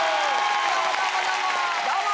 どうもどうもどうも！